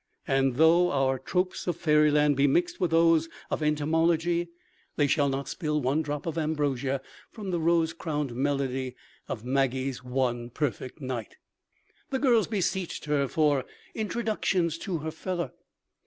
And though our tropes of fairyland be mixed with those of entomology they shall not spill one drop of ambrosia from the rose crowned melody of Maggie's one perfect night. The girls besieged her for introductions to her "fellow."